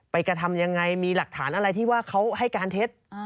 กระทำยังไงมีหลักฐานอะไรที่ว่าเขาให้การเท็จ